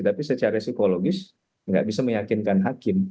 tapi secara psikologis nggak bisa meyakinkan hakim